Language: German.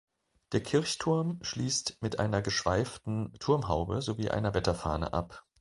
Der Kirchturm schließt mit einer geschweiften Turmhaube sowie einer Wetterfahne ab.